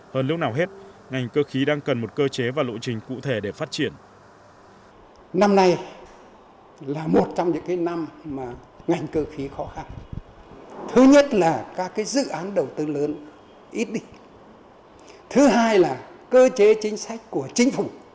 hơn lúc nào hết ngành cơ khí đang cần một cơ chế và lộ trình cụ thể để phát triển